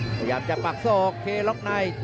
พยายามจะเสิร์ฟสดท้ายเมื่อแรง